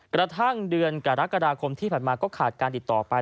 กระทั่งเดือนกรกฎาคมที่ผ่านมาก็ขาดการติดต่อไป